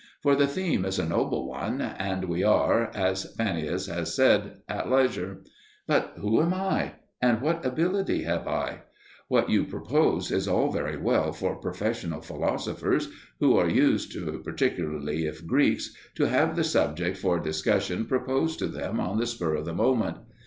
For the theme is a noble one, and we are (as Fannius has said) at leisure. But who am I? and what ability have I? What you propose is all very well for professional philosophers, who are used, particularly if Greeks, to have the subject for discussion proposed to them on the spur of the moment.